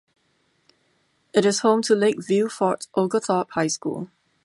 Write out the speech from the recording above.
It is home to Lakeview - Fort Oglethorpe High School.